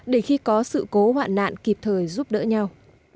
để khi có sự cố hoạn nạn kịp thời giúp đỡ nhau